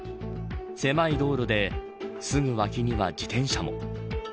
狭い道路ですぐ脇には自転車も。